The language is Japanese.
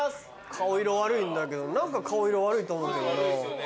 顔色悪いんだけど何か顔色悪いと思うけどな。